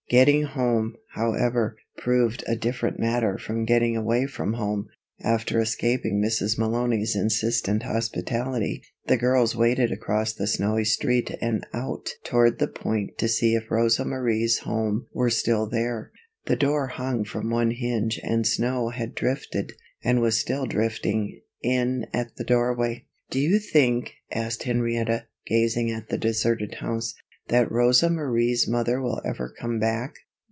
Getting home, however, proved a different matter from getting away from home. After escaping Mrs. Malony's insistent hospitality, the girls waded across the snowy street and out toward the point to see if Rosa Marie's home were still there. The door hung from one hinge and snow had drifted, and was still drifting, in at the doorway. "Do you think," asked Henrietta, gazing at the deserted house, "that Rosa Marie's mother will ever come back?"